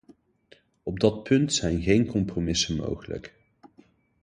Op dat punt zijn geen compromissen mogelijk.